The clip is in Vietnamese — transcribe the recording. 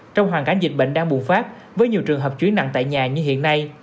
trong hoàn cảnh dịch bệnh đang bùng phát với nhiều trường hợp chuyển nặng tại nhà như hiện nay